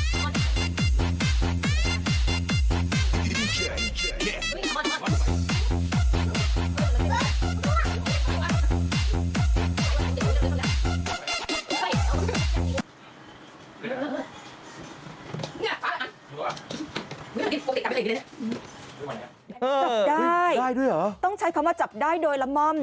จับได้ต้องใช้คำว่าจับได้โดยละม่อม